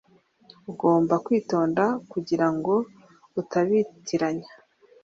ugomba kwitonda kugirango utabitiranya